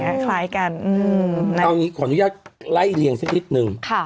เอาอย่างนี้ขออนุญาตไล่เรียงสิ้นทิศนึง